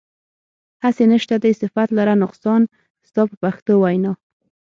هسې نشته دی صفت لره نقصان ستا په پښتو وینا.